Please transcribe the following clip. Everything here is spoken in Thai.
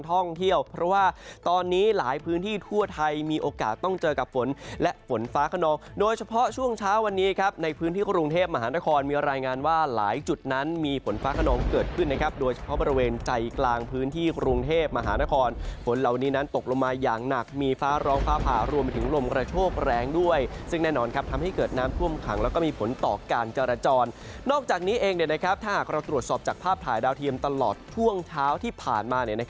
ท่องเที่ยวเพราะว่าตอนนี้หลายพื้นที่ทั่วไทยมีโอกาสต้องเจอกับฝนและฝนฟ้าขนองโดยเฉพาะช่วงเช้าวันนี้ครับในพื้นที่กรุงเทพมหานครมีรายงานว่าหลายจุดนั้นมีฝนฟ้าขนองเกิดขึ้นนะครับโดยเฉพาะบริเวณใจกลางพื้นที่กรุงเทพมหานครฝนเหล่านี้นั้นตกลงมาอย่างหนักมีฟ้าร้องฟ้าผ่ารวม